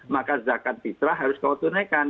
maka zakat fitrah harus kau tunekan